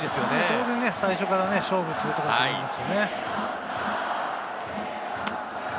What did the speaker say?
当然、最初から勝負ということだと思います。